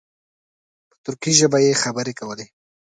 په ترکي ژبه یې خبرې کولې.